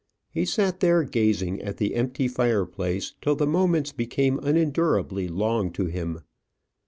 He sat there gazing at the empty fireplace till the moments became unendurably long to him.